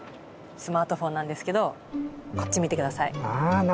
スマートフォンなんですけどこっち見て下さい。